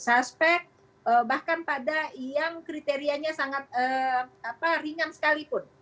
suspek bahkan pada yang kriterianya sangat ringan sekalipun